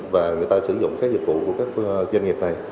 và người ta sử dụng các dịch vụ của các doanh nghiệp này